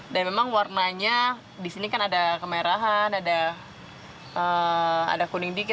dan memang warnanya di sini kan ada kemerahan ada kuning dikit